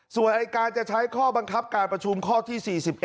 ส่วนการจะใช้ข้อบังคับการประชุมข้อที่๔๑